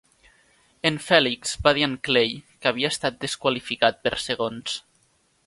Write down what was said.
En Fèlix va dir a en Clay que havia estat desqualificat per segons.